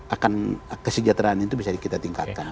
akan kesejahteraan itu bisa kita tingkatkan